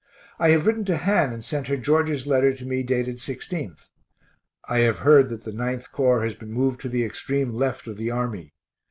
I have written to Han and sent her George's letter to me dated 16th. I have heard that the 9th Corps has been moved to the extreme left of the army.